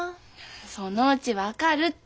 そのうち分かるって。